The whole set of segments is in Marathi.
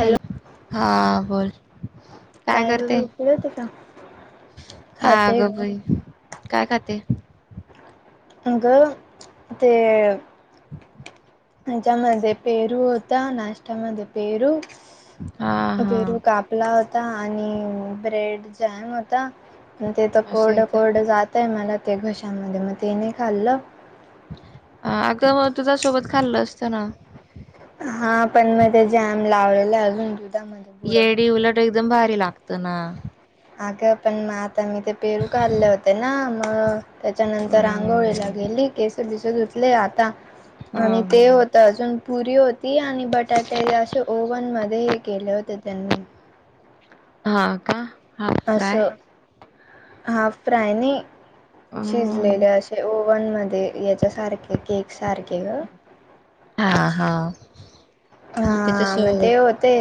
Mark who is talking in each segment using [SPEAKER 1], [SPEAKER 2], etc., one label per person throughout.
[SPEAKER 1] हॅलो, हा बोल. काय
[SPEAKER 2] ग
[SPEAKER 1] करते?
[SPEAKER 2] झोपली होती का?
[SPEAKER 1] हा ग बाई. काय खाते?
[SPEAKER 2] अग, ते हेच्यामध्ये पेरू होता. नाश्त्यामध्ये पेरू,
[SPEAKER 1] हा
[SPEAKER 2] म
[SPEAKER 1] हा
[SPEAKER 2] पेरू काप पला होता आणि ब्रेड जॅम होता. अन ते तर
[SPEAKER 1] असं
[SPEAKER 2] कोरड
[SPEAKER 1] आहे का
[SPEAKER 2] कोरड जात त नही मला ते घशामध्ये. मग ते नाही खाल्लं,
[SPEAKER 1] अ आगं मग दुधासोबत खाल्लं असतं ना.
[SPEAKER 2] हा पण म ते जॅम लावलेला अजून दुधामध्ये बुडवून
[SPEAKER 1] येडी.
[SPEAKER 2] खाऊ
[SPEAKER 1] उलट एकदम भारी लागतं ना.
[SPEAKER 2] अगं पण म आता मी ते पेरू खाल्ले होते ना. म त्याच्यानंतर आंघोळीला
[SPEAKER 1] हम्म
[SPEAKER 2] गेली केस बीस धुतले. आता
[SPEAKER 1] हा
[SPEAKER 2] आणि ते
[SPEAKER 1] हा
[SPEAKER 2] होत अजून पुरी होत ती आणि बटाटे असे ओव्हनमध्ये हे केले होते त्यांनी.
[SPEAKER 1] हा का? हाफ फ्राय
[SPEAKER 2] असं. हाफ फ्राय नाही. शिज
[SPEAKER 1] हम्म,
[SPEAKER 2] वलेले. असे ओव्हन मध्ये याच्या सारखे केक सारखे ग.
[SPEAKER 1] हा हा.
[SPEAKER 2] हा म ते
[SPEAKER 1] त्याच्यासोबत
[SPEAKER 2] होते,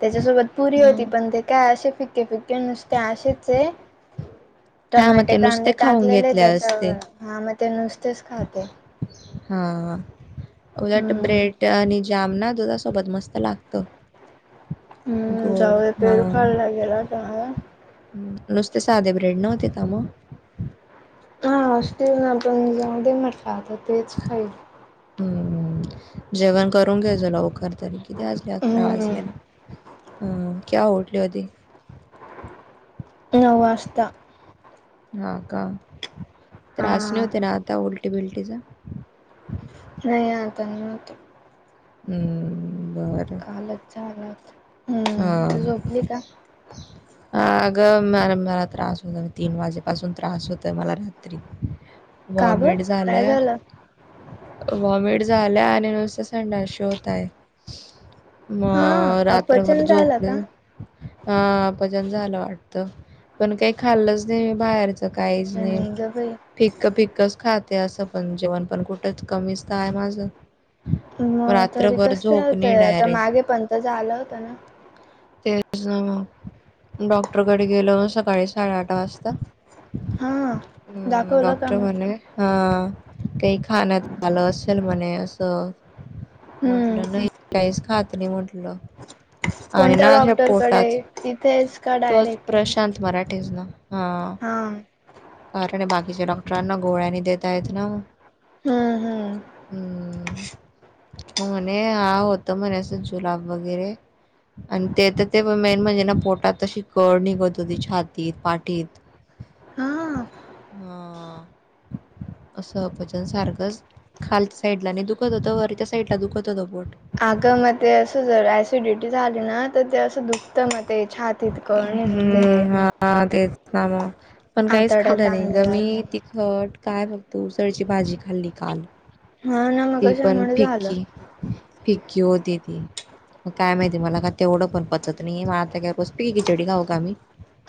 [SPEAKER 2] त्याच्यासोबत पुरी होती
[SPEAKER 1] हम्म.
[SPEAKER 2] पण ते काय असे फिके फिक ते नुसते अशेच ये.
[SPEAKER 1] हा मग
[SPEAKER 2] टमाटे
[SPEAKER 1] ते नुसते
[SPEAKER 2] कांदे
[SPEAKER 1] खाऊन
[SPEAKER 2] टाकलेले
[SPEAKER 1] घेतले
[SPEAKER 2] त्याच्यावर.
[SPEAKER 1] असते
[SPEAKER 2] हा मग ते नुसतेच खाते.
[SPEAKER 1] हं, उलट
[SPEAKER 2] हम्म
[SPEAKER 1] ब्रेड आणि जामना दुधासोबत मस्त लागतो.
[SPEAKER 2] हं. जाऊदे पेरू खाल्ला गेला होता माझा.
[SPEAKER 1] हं. नुसते साधे ब्रेड नव्हते का मग?
[SPEAKER 2] हा असतील ना. पण जाऊ दे म्हटलं आता तेच खाईल.
[SPEAKER 1] हं. जेवण करून घे जो लवकर. तरी किती वाजले? अकरा
[SPEAKER 2] हम्म
[SPEAKER 1] वाजले ना. केव्हा उठली होती?
[SPEAKER 2] नऊ वाजता.
[SPEAKER 1] हा का
[SPEAKER 2] हा
[SPEAKER 1] त्रास नाही होते ना आता उलटी बिलटीचा.
[SPEAKER 2] नाही आता नाही होत.
[SPEAKER 1] बरं.
[SPEAKER 2] अलगचा अलग.
[SPEAKER 1] हा.
[SPEAKER 2] ह.
[SPEAKER 1] ह अगं म मला त्रास होत म तीन वाजेपासून त्रास होत मला रात्री.
[SPEAKER 2] का बर
[SPEAKER 1] वॉमिट
[SPEAKER 2] काय
[SPEAKER 1] झालं. व्हॉमिट झालं आणि नुस संडाशी होतय.
[SPEAKER 2] हा
[SPEAKER 1] मग रात्रभर
[SPEAKER 2] अपचन झालं
[SPEAKER 1] झोपले.
[SPEAKER 2] का
[SPEAKER 1] हा अपचन झालं वाटतं पण काही खाल्लच नाहीी बाहेरच. स काहीच
[SPEAKER 2] खरं
[SPEAKER 1] नाही.
[SPEAKER 2] ग बाई
[SPEAKER 1] पिक्क पिक्कच खाते असं पण जेवण पण कुठं कमीच तर आहे माझं.
[SPEAKER 2] मग तरी
[SPEAKER 1] रात्रभर
[SPEAKER 2] कस काय
[SPEAKER 1] झोप नाही
[SPEAKER 2] होतंय आता
[SPEAKER 1] डायरेक्ट
[SPEAKER 2] मागे पणंत झा आलं होतं ना.
[SPEAKER 1] ते मग डॉक्टरकडे गेलो सकाळी साडेआठ वाजता.
[SPEAKER 2] हा
[SPEAKER 1] हम्!
[SPEAKER 2] दाखवलं का
[SPEAKER 1] डॉक्टर
[SPEAKER 2] मग
[SPEAKER 1] म्हणे. हा काही खाण्यात आलं असेल म्हणे असं.
[SPEAKER 2] हम्म
[SPEAKER 1] म्हटलं नाही काहीस खात्री म्हटलं. आणि
[SPEAKER 2] कोणत्या
[SPEAKER 1] ना अशा
[SPEAKER 2] डॉक्टरकडे
[SPEAKER 1] पोटात
[SPEAKER 2] तिथेच का
[SPEAKER 1] तोच
[SPEAKER 2] डायरेक्ट
[SPEAKER 1] प्रशांत मराठेच ना. हा कारण बाकीच्या डॉक्टरांना गोळ्यानी दता आहेत ना.
[SPEAKER 2] हम्म हम्म
[SPEAKER 1] हम्म! हो म्हणे हा होत म्हणे असं जुलाब वगैरे. आणि ते तर ते मेन म्हणजे ना पोटात तशी कळ निघत होती छातीत पाठीत.
[SPEAKER 2] हम!
[SPEAKER 1] हा. असं अपचन सारखंच खालच्या साईड ला नाही दुखत होतं वरच्या साईडला दुखत होत बोट.
[SPEAKER 2] आगमध्ये असं जर ॲसिडिटी झाली ना तर ते असं दुप्त मते आहे छात [inaudible]
[SPEAKER 1] हम्म हा तेच ना मग पण काहीच
[SPEAKER 2] आतड्यात
[SPEAKER 1] खाल्लं नाही
[SPEAKER 2] आणलं
[SPEAKER 1] गं मी
[SPEAKER 2] जात
[SPEAKER 1] ते.
[SPEAKER 2] मग
[SPEAKER 1] ट काय फक्त उसळची भाजी खाल्ली काल.
[SPEAKER 2] हा ना. मग
[SPEAKER 1] ती पण
[SPEAKER 2] कशामुळे झालं
[SPEAKER 1] फिक्की फिक्की होती ती. मग काय माहितीय मला का तेवढं पण पचत नाहीे मग आता का रोज पिके किचडी खाऊ का म्ी.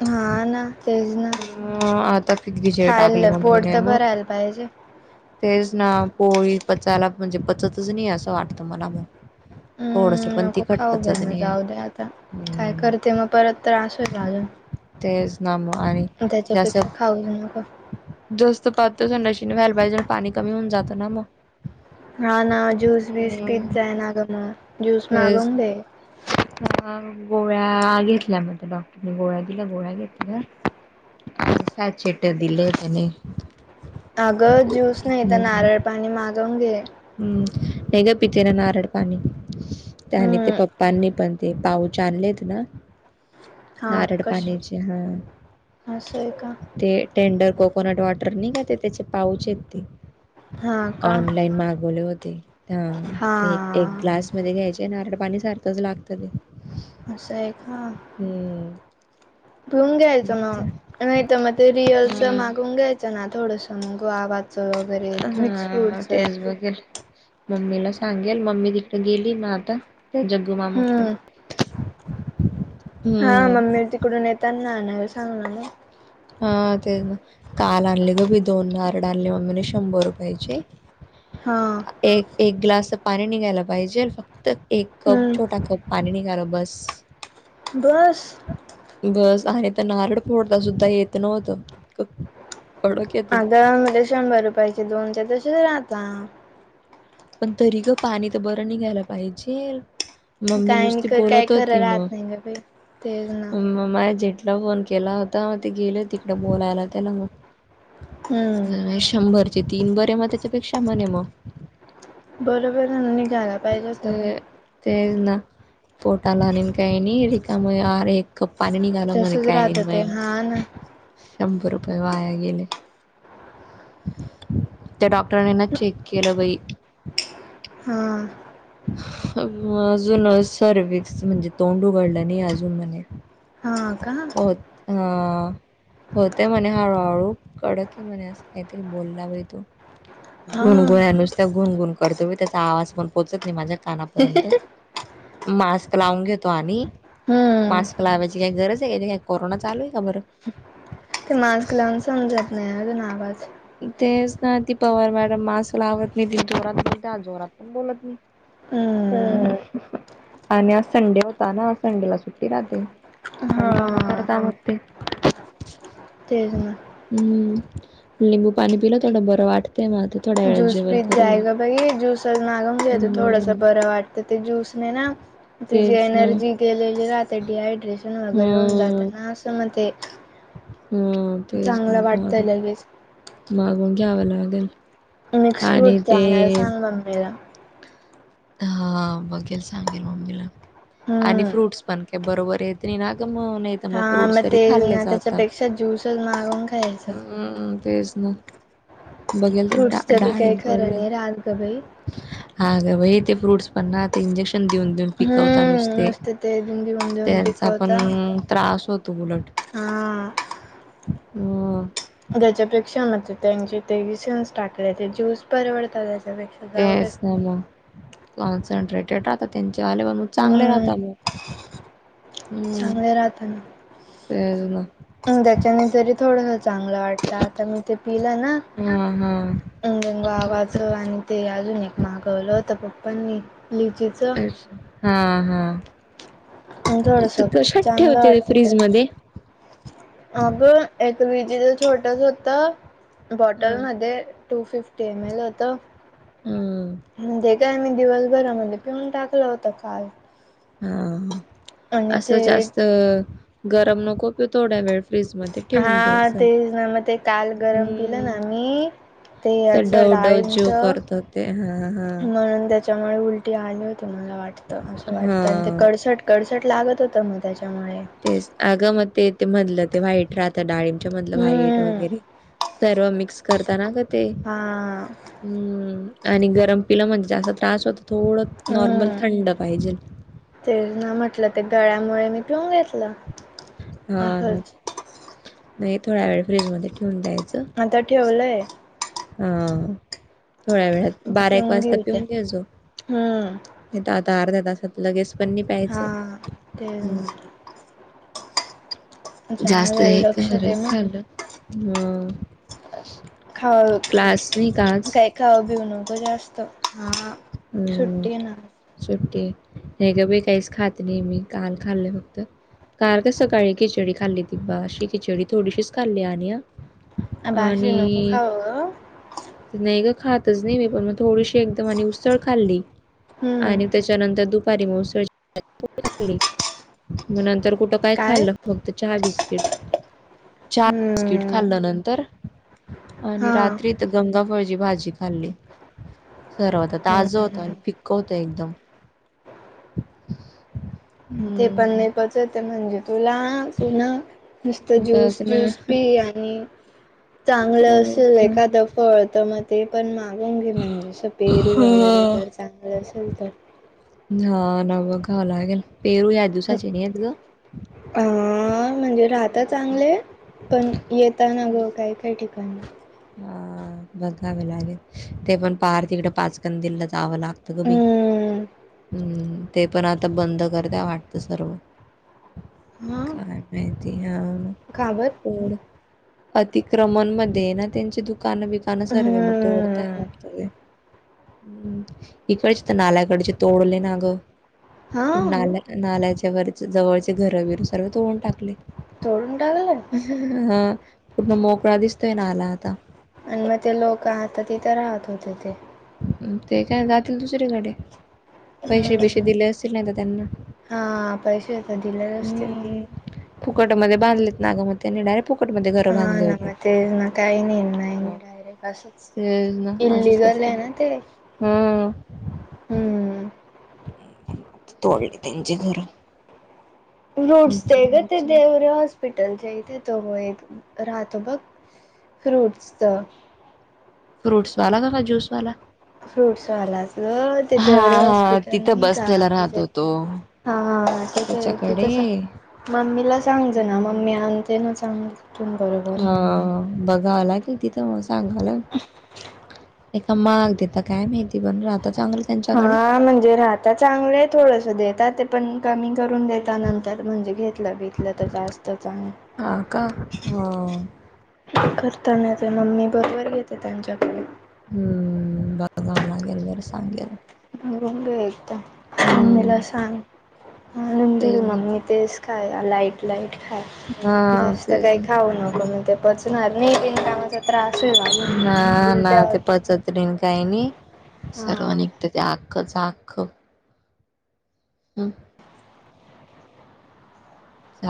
[SPEAKER 2] हा ना तेच ना
[SPEAKER 1] अम् आता फिगी ज टाकली
[SPEAKER 2] खायला पोट
[SPEAKER 1] मम्मीने
[SPEAKER 2] तर
[SPEAKER 1] मग.
[SPEAKER 2] भरायला पाहिजे
[SPEAKER 1] तेच ना पोळी. पचायला म्हणजे पचतच नाही असं वाटत मला म. थोडस
[SPEAKER 2] हम्म
[SPEAKER 1] पण ती
[SPEAKER 2] नको खाऊ बे
[SPEAKER 1] खटपटात
[SPEAKER 2] मग
[SPEAKER 1] नाही आहे
[SPEAKER 2] जाऊ दे आता काय
[SPEAKER 1] हम्.
[SPEAKER 2] करते मग परत त्रास होईल अजून
[SPEAKER 1] तेच नामु आणि जास्त
[SPEAKER 2] त्याच्यापेक्षा खाऊ नका.
[SPEAKER 1] जास्त पाहत संडाशीने व्हायला पाहिज पाणी कमी होऊन जातं ना मग.
[SPEAKER 2] हा ना ज्यूस बीस तीच
[SPEAKER 1] हम्म
[SPEAKER 2] जाय ना ग मग ज्यूस मागवून दे.
[SPEAKER 1] ह गोळ्या घेतल्या मझ डॉक्टरने गोळ्या दिल्या गोळ्या घेतल्या. पैश चेट दिले त्याने.
[SPEAKER 2] अगं ज्यूस नाही तर
[SPEAKER 1] हम्म
[SPEAKER 2] नारळ पाणी मागवून घे.
[SPEAKER 1] हम्म! नाही ग पिते ना नारळ पाणी त्या आणि ते
[SPEAKER 2] हम्म
[SPEAKER 1] पप्पांनी पण. ते पाऊचे आणलेत ना.
[SPEAKER 2] हा
[SPEAKER 1] नारळ
[SPEAKER 2] कश
[SPEAKER 1] पाण्याची हा.
[SPEAKER 2] असं आहे का
[SPEAKER 1] ते टेंडर कोकोनट वॉटर नाही का ते त्याचे पाऊच आहेत ते
[SPEAKER 2] हा का?
[SPEAKER 1] हो [unintelligible]
[SPEAKER 2] हा
[SPEAKER 1] [unintelligible] घ्यायचे नारळाला पाणी सारखच लागत बघ.
[SPEAKER 2] अस आहे का?
[SPEAKER 1] हु..
[SPEAKER 2] ठिवून घ्यायचं मग नाही तर मग ते रिअलच मागून घ्यायचं ना थोडस मग [unintelligible] बाग चं वगैरे मिक्स फ्रूटचं
[SPEAKER 1] वगैरे मम्मीला सांगेल मम्मी तिकडे गेली ना आता जग्गू मामाकडे.
[SPEAKER 2] हम्म
[SPEAKER 1] [inaudible]
[SPEAKER 2] हा मम्मी तिकडून येेताना आणायला सांगनार आहे.
[SPEAKER 1] हा तेच ना काल आणले ग बी दोन नारळ आणले मग शंभर रुपयाची.
[SPEAKER 2] हा.
[SPEAKER 1] ए एक ग्लास पाणी निघायला पाहिजेल फक्त एक कप छोटा
[SPEAKER 2] हम्म
[SPEAKER 1] कप. पाणी निघालं बस.
[SPEAKER 2] बस्स
[SPEAKER 1] बस आणि तर नारळ फोडता सुद्धा येत नव्हतं इतकं कडक येते
[SPEAKER 2] अगं मध्ये शंभर रुपयाचे दोन ते तसेच राहता
[SPEAKER 1] पण तरी ग पाणी तर बरं निघायला पाहिजेल. मम्मी
[SPEAKER 2] काय नि
[SPEAKER 1] नुसती
[SPEAKER 2] काय
[SPEAKER 1] बोलत
[SPEAKER 2] खरं
[SPEAKER 1] होती मग,
[SPEAKER 2] राहत नाही ग बाई तेच ना
[SPEAKER 1] माय जेठला फोन केला होता ते गेले तिकडे बोलायला त्याला मग,
[SPEAKER 2] हम्म
[SPEAKER 1] शंभरचे तीन बरे मग त्याच्यापेक्षा म्हणे मग.
[SPEAKER 2] बरोबर आहे निघाल्यात
[SPEAKER 1] ते तेच ना पोटाला आणि काही नाही रिकामं आर एक एक कप निघाला म्हणे
[SPEAKER 2] तसच
[SPEAKER 1] काय नि
[SPEAKER 2] राहत ते हा
[SPEAKER 1] म्हणे
[SPEAKER 2] ना
[SPEAKER 1] शंभर रुपये वाया गेले. [inaudible] त्या डॉक्टरनी ना चेक केलं बाई!
[SPEAKER 2] हा.
[SPEAKER 1] अजून सर्विक्स म्हणजे तोंड उघडलं नाही अजून म्हणे.
[SPEAKER 2] हा का हा
[SPEAKER 1] होत हा.. होतय म्हणे हळूहळू कडक आहे म्हणे असं काहीतरी बोलला बाई तो. घुण घुळ्या नुसत घुण घुण करतो बाई त्याचा आवाज पण पोहोचत नाही माझ्या कानापर्यंत. मास्क लाऊन घेतो आम्ही.
[SPEAKER 2] हम्म
[SPEAKER 1] मास्क लावायचे काय गरज आहे? काही काय कोरोना चालू आहे का बर?
[SPEAKER 2] ते मास्क लावून समजत नाही अजून आवाज
[SPEAKER 1] तेच ना ती पवार मॅडम मास्क लावत नाही ते जोरात जोरात पण बोलत नाही
[SPEAKER 2] हम्म
[SPEAKER 1] अ आणि आज संडे होता ना संडेला सुट्टी राहते. [unintelligible]
[SPEAKER 2] हा
[SPEAKER 1] परत आवरते
[SPEAKER 2] तेच ना,
[SPEAKER 1] हम्म लिंबू पाणी पिलं थोडं बरं वाटतंय मला तर
[SPEAKER 2] ज्यूस पीत जाय गं बाई ज्यूस मागून घेतो थोडस
[SPEAKER 1] हम्म.
[SPEAKER 2] बरं वाटतं ते ज्यूसने ना, त्याची
[SPEAKER 1] तेच ना.
[SPEAKER 2] एनर्जी गेलेली राहते डिहायड्रेशन वगैरे होऊन जात ना असं मग ते
[SPEAKER 1] हंम हा तेच
[SPEAKER 2] चांगलं वाटतंय
[SPEAKER 1] मागव
[SPEAKER 2] लगेच
[SPEAKER 1] मागवून घ्यावं लागेल.
[SPEAKER 2] मिक्स फ्रूट ते आणायला सांग मम्मीला.
[SPEAKER 1] हा बघेल सांगेल मम्मीला आणि
[SPEAKER 2] हम्म
[SPEAKER 1] फ्रूट्स पण बरोबर येत नाही ना का म
[SPEAKER 2] हा मग ते त्याच्यापेक्षा ज्यूसच मागून खायचं.
[SPEAKER 1] हम्म तेच ना बघेल ते ड
[SPEAKER 2] फ्रूट्सचं बी काही
[SPEAKER 1] डाळींब
[SPEAKER 2] खरं
[SPEAKER 1] पडलंय.
[SPEAKER 2] नाही राहत ग बाई
[SPEAKER 1] आंग बाई ते फ्रूट्स पण ना आता इंजेक्शन देऊन देऊन पिकवता
[SPEAKER 2] हम्म
[SPEAKER 1] नुसते.
[SPEAKER 2] मस्त ते घेऊन घेऊन देऊन
[SPEAKER 1] त्यांचा पण
[SPEAKER 2] पिकवता
[SPEAKER 1] त्रास होतो उलट
[SPEAKER 2] हा.
[SPEAKER 1] हंम
[SPEAKER 2] त्याच्या पेक्षा म त्यांचे ते इसेन्स टाकले ते ज्यूस परवडतात याच्यापेक्षा
[SPEAKER 1] तेच तर ना, कॉन्सन्ट्रेटेड राहता त्यांचे आले म्हणून चांगले
[SPEAKER 2] हम्म
[SPEAKER 1] राहता मग हं,
[SPEAKER 2] चांगले
[SPEAKER 1] तेच ना.
[SPEAKER 2] राहतना त्याच्याने तरी थोडं चांगला वाटत आता मी ते पिलं ना
[SPEAKER 1] हां, हां.
[SPEAKER 2] इंगेंगो आवातो
[SPEAKER 1] कोणतं?
[SPEAKER 2] आणि तेयाज नक मागव लो त्या प्पनी [unintelligible] निजेच [unintelligible]
[SPEAKER 1] अ हा हा
[SPEAKER 2] थोडस
[SPEAKER 1] कशात
[SPEAKER 2] चांगलं
[SPEAKER 1] ठेवते फ्रीज मध्ये
[SPEAKER 2] अग एक विजेचा छोटाच होत
[SPEAKER 1] हां,
[SPEAKER 2] बॉटलमध्ये टू फिफ्टी एम एल होत.
[SPEAKER 1] हां.
[SPEAKER 2] म्हणजे काय मी दिवसभरामध्ये पिऊन टाकलं होत काल
[SPEAKER 1] हा
[SPEAKER 2] आणि
[SPEAKER 1] असं
[SPEAKER 2] ते
[SPEAKER 1] जास्त गरम नको पिऊ थोड्या वेळ फ्रीजमध्ये
[SPEAKER 2] हा
[SPEAKER 1] ठेवून दे
[SPEAKER 2] ते
[SPEAKER 1] असं.
[SPEAKER 2] ना मग ते काल गरम पिलं ना
[SPEAKER 1] हं.
[SPEAKER 2] मी ते
[SPEAKER 1] असं
[SPEAKER 2] याच
[SPEAKER 1] डव डव
[SPEAKER 2] डाळिंब
[SPEAKER 1] ज्यू
[SPEAKER 2] मचं
[SPEAKER 1] करतं ते. हां, हां.
[SPEAKER 2] म्हणून त्या त्याच्यामुळे उलटी आली होते मला वाटतं असं वाटतं आणि ते
[SPEAKER 1] हां.
[SPEAKER 2] कडसट कडसट लागत होत मग त्याच्यामुळे
[SPEAKER 1] ते अगं मग ते ते मधलं ते व्हाईट राहतं डाळिंब मधलं व्हाईट
[SPEAKER 2] हम्म
[SPEAKER 1] वगैरे सर्व मिक्स करताना ग ते
[SPEAKER 2] हा.
[SPEAKER 1] हम्म, आणि गरम पिला म्हणजे जात त्रास होत थोडं नॉर्मल थंड पाहिजे.
[SPEAKER 2] ते ना म्हटलं ते गळ्यामुळे मी पिऊन घेत
[SPEAKER 1] हा ना, नाही थोडा वेळ फ्रीज मध्ये ठेऊून द्यायचं.
[SPEAKER 2] आता ठेवलं आहे.
[SPEAKER 1] हा थोड्या वेळात
[SPEAKER 2] आता
[SPEAKER 1] बारा एक वाजता
[SPEAKER 2] घेईल ते
[SPEAKER 1] पिऊन घ्यायचं.
[SPEAKER 2] हम्म
[SPEAKER 1] नाही तर आता अर्ध्या तासात लगेच पण नाही प्यायचंम्
[SPEAKER 2] हा ते चार
[SPEAKER 1] जास्त
[SPEAKER 2] वेळ
[SPEAKER 1] हे
[SPEAKER 2] लक्ष
[SPEAKER 1] खर
[SPEAKER 2] दे मग
[SPEAKER 1] खालं ह
[SPEAKER 2] खाव,
[SPEAKER 1] क्लास नाही का आज?
[SPEAKER 2] काय खाऊ बिऊ नको जास्त हा,
[SPEAKER 1] हम्म
[SPEAKER 2] सुट्टी आहे ना
[SPEAKER 1] सुट्टी, हे ग बाई काहीच खात नाही मी काल खाल्ले फक्त काल का सकाळी खिचडी खाल्ली अशी खिचडी थोडीशीच खाल्ली आणि हा
[SPEAKER 2] बाशी नको
[SPEAKER 1] आणि,
[SPEAKER 2] खाऊ ग
[SPEAKER 1] नाही ग खातच नाही मी पण मग थोडी तिन्ही तर म्हणे उसळ खाल्ली
[SPEAKER 2] हम्म
[SPEAKER 1] आणि त्याच्यानंतर दुपारी उसळ खाल्ली तर मग त्याच्यानंतर कुठे काय खाल्लं [unintelligible] फक्त चहा बिस्किट, चहा बिस्किट
[SPEAKER 2] हम्म
[SPEAKER 1] खाल्लं नंतर? आणि
[SPEAKER 2] हा
[SPEAKER 1] रात्रीत गंगाफळची भाजी खाल्ली. सर्व होता ताजं होतं आणि
[SPEAKER 2] हम्म
[SPEAKER 1] फिक्क होत एकदम
[SPEAKER 2] ते पण
[SPEAKER 1] हं.
[SPEAKER 2] नाही पचत म्हणजे तुला तू ना नुसता ज्यूस
[SPEAKER 1] बघ ना.
[SPEAKER 2] ज्यूस पी आणि चांगलं अस
[SPEAKER 1] तेच ना.
[SPEAKER 2] एखाद फळ त म ते पण मागून घे म्हणजेसं पेरू वगैरे तर चांगलं असेल तर.
[SPEAKER 1] हा न बघावं लागेल, पेरू या दिवसाचे नाही आहेत ग
[SPEAKER 2] अ म म्हणजे राहता
[SPEAKER 1] हम्म,
[SPEAKER 2] चांगले पण येताना ग काय काय ठिकाणीं का [unintelligible]
[SPEAKER 1] ह बघावे लागेल, ते पण पार तिकडे पाचकन दिल जावं लागत ग बाई,
[SPEAKER 2] हम्म
[SPEAKER 1] हम्, ते पण आता बंद करत्या वाटतं सर्व
[SPEAKER 2] हा
[SPEAKER 1] काय माहिती ह
[SPEAKER 2] काबत
[SPEAKER 1] पड अतिक्रमणमध्ये ना त्यांचे दु दुकान बिकणं सर्व मग तोडताय
[SPEAKER 2] हम्म
[SPEAKER 1] वाटत ते हम्, इकडचे तर नाल्याकडचे तोडले ना गं
[SPEAKER 2] हा
[SPEAKER 1] प नाल्या नाल्याच्या वर जवळचे घर बिर सर्व तोडून टाकले.
[SPEAKER 2] तळून टाकलं
[SPEAKER 1] हा पूर्ण मोकळा दिसतोय ना आला आता
[SPEAKER 2] आणि मग ते लोक आहत तिथे राहत होते ते
[SPEAKER 1] हम्म ते काय जातील दुसरीकडे पैसे बिसे
[SPEAKER 2] हम्म
[SPEAKER 1] दिले असतील ना आता त्यांना
[SPEAKER 2] हा पैसे आता दिले असतील.
[SPEAKER 1] हम्म. फुकटमध्ये बांधलेत ना ग मग त्याने डा फुकटमध्ये घरं
[SPEAKER 2] हा
[SPEAKER 1] बांधली होती.
[SPEAKER 2] [unintelligible]
[SPEAKER 1] मग.
[SPEAKER 2] डायरेक्ट असच इल्लीगल आहे ना ते
[SPEAKER 1] हा.
[SPEAKER 2] हम्म
[SPEAKER 1] तोडले त्यांचे घर
[SPEAKER 2] [unintelligible] त्यांच्या इथे तो मग एक राहतो बघ फ्रुट्सचं
[SPEAKER 1] फ्रूटसवाला का जूसवाला?
[SPEAKER 2] फ्रूटसवाल्याच ते देवरे
[SPEAKER 1] हां, हां.
[SPEAKER 2] हॉस्पिटल
[SPEAKER 1] तिथं
[SPEAKER 2] नाही का
[SPEAKER 1] बसलेला राहतो
[SPEAKER 2] त्याचातिथे
[SPEAKER 1] तो.
[SPEAKER 2] हा ते तर तिथ
[SPEAKER 1] त्याच्याकडे.
[SPEAKER 2] सा मम्मीला सांग जरा, मम्मी आणते ना सांग
[SPEAKER 1] हा बघा ला [unintelligible] तिथ म तिथ काय माहिती बनवल आता चांगलं
[SPEAKER 2] हा
[SPEAKER 1] त्यांच्याकडे.
[SPEAKER 2] म्हणजे रहात आता चांगले थोडस देतात ते पण कमी करून देेत नंतर म्हणजे घेत बघितलं तर जास्त चांग
[SPEAKER 1] हां का? हां.
[SPEAKER 2] करताना ते मम्मी बरोबर घेते त्यांच्याकडे
[SPEAKER 1] हम्म बघावं लागेल बरं सांगेल
[SPEAKER 2] [unintelligible] मम्मीला
[SPEAKER 1] हम्म
[SPEAKER 2] सांग आणून देईल
[SPEAKER 1] ते
[SPEAKER 2] मम्मी तेच काय लाईट लाईट खा
[SPEAKER 1] हा
[SPEAKER 2] जास्त
[SPEAKER 1] तेच
[SPEAKER 2] काही
[SPEAKER 1] ना.
[SPEAKER 2] खाऊ नको मग ते पचणार नाही [unintelligible] त्रास [unintelligible]
[SPEAKER 1] हा ना
[SPEAKER 2] उलट्या
[SPEAKER 1] ते
[SPEAKER 2] होतील
[SPEAKER 1] पचतन काही नाही
[SPEAKER 2] हां
[SPEAKER 1] सर्वांनी तिथं अख्खच्या अख्ख हम्म.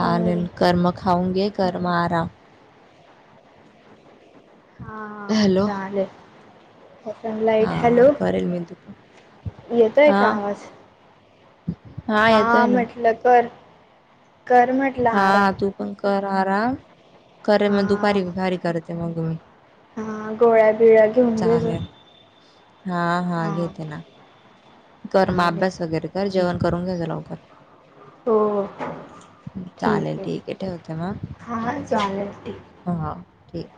[SPEAKER 2] हम्म.
[SPEAKER 1] कर म खाऊन घे कर म आराम
[SPEAKER 2] हा हा
[SPEAKER 1] हॅलो
[SPEAKER 2] चालेल. अजून लाईट,
[SPEAKER 1] हा
[SPEAKER 2] हॅलो
[SPEAKER 1] करेल मी तू पण
[SPEAKER 2] येतोय
[SPEAKER 1] हा
[SPEAKER 2] का आवाज?
[SPEAKER 1] हा
[SPEAKER 2] हां
[SPEAKER 1] येतोय ना
[SPEAKER 2] म्हटलं कर. कर म्हटलं
[SPEAKER 1] हा
[SPEAKER 2] आराम
[SPEAKER 1] तू पण कर आराम कर मग
[SPEAKER 2] हां
[SPEAKER 1] दुपारी विफारी करते मग मी
[SPEAKER 2] हां गोळ्या बिळ्या घेऊन घे जा
[SPEAKER 1] चालेल. हा हा
[SPEAKER 2] हां
[SPEAKER 1] घेते ना. कर मग
[SPEAKER 2] चालेल
[SPEAKER 1] अभ्यास वगैरे कर जेवण करून घे गे लवकर
[SPEAKER 2] हो
[SPEAKER 1] चालेल ठीक आहे ठेवते मग.
[SPEAKER 2] हां चालेल ठीक
[SPEAKER 1] हा. ठीक